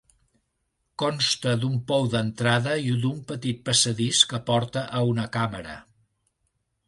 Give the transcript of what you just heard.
Consta d'un pou d'entrada i d'un petit passadís que porta a una càmera.